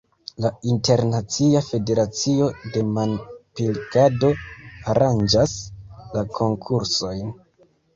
La Internacia Federacio de Manpilkado aranĝas la konkursojn.